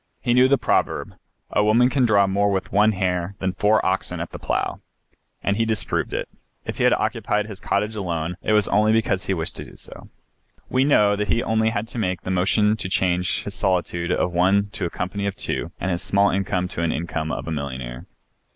He knew the proverb, "a woman can draw more with one hair than four oxen at the plough," and he disproved it. If he occupied his cottage alone it was only because he wished to do so. We know that he only had to make the motion to change his solitude of one to a company of two and his small income to the income of a millionaire.